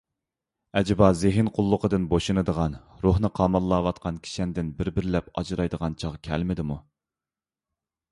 ئەجىبا زېھىن قۇللۇقىدىن بوشىنىدىغان، روھنى قاماللاۋاتقان كىشەندىن بىر بىرلەپ ئاجرايدىغان چاغ كەلمىدىمۇ؟